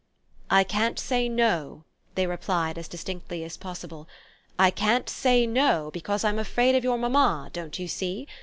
"I can't say No," they replied as distinctly as possible; "I can't say No, because I'm afraid of your mamma, don't you see?